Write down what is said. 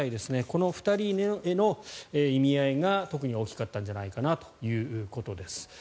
この２人への意味合いが特に大きかったんじゃないかなということです。